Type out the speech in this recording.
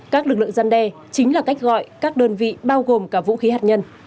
các lực lượng gian đe chính là cách gọi các đơn vị bao gồm cả vũ khí hạt nhân